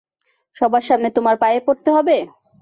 সবার সামনে তোমার পায়ে পড়তে হবে?